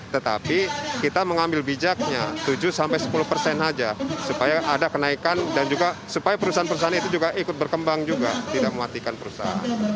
tetapi kita mengambil bijaknya tujuh sampai sepuluh persen saja supaya ada kenaikan dan juga supaya perusahaan perusahaan itu juga ikut berkembang juga tidak mematikan perusahaan